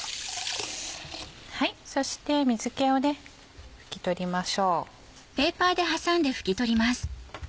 そして水気を拭き取りましょう。